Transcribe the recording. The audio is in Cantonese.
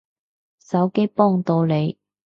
手機幫到你